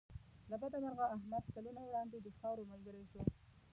له بده مرغه احمد کلونه وړاندې د خاورو ملګری شو.